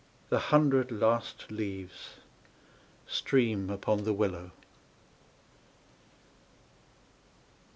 The hundred last leaves stream upon the willow.